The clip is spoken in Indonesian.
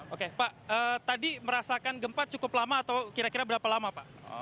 oke pak tadi merasakan gempa cukup lama atau kira kira berapa lama pak